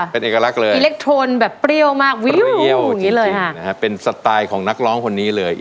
เป็นเอกลักษณ์เลยอิเล็กโทนแบบเปรี้ยวมากเวี้ยวเป็นสตายของนักร้องคนนี้เลย